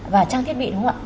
và trang thiết bị đúng không ạ